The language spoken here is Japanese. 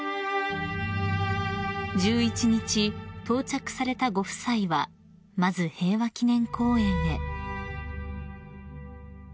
［１１日到着されたご夫妻はまず平和記念公園へ］